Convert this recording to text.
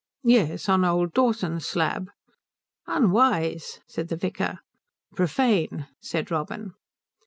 "Yes, on old Dawson's slab." "Unwise," said the vicar. "Profane," said Robin.